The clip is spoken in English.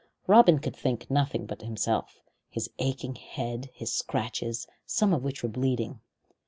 Robin could think of nothing but himself, his aching head, and his scratches, some of which were bleeding.